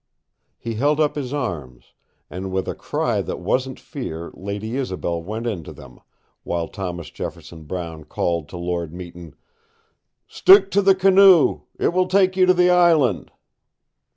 He held up his arms, and with a cry that wasn't fear Lady Isobel went into them, while Thomas Jefferson Brown called to Lord Meton: "Stick to the canoe! It will take you to the island!"